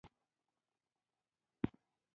څو کسان ولوېدل.